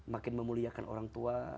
makin memuliakan orang tua